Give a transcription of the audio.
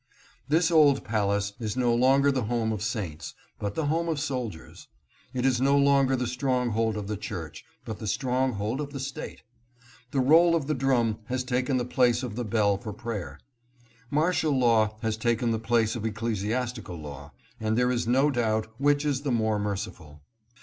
This old palace is no longer the home of saints, but the home of soldiers. It is no longer the stronghold of the church, but the stronghold of the state. The roll of the drum has taken the place of the bell for prayer. Martial law has taken the place of ecclesiastical law, and there is no doubt which is the more merciful.